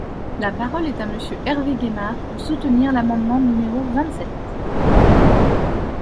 La parole est à Monsieur Hervé Gaymard, pour soutenir l’amendement numéro vingt-sept.